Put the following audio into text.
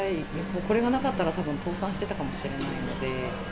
これがなかったらたぶん倒産してたかもしれないので。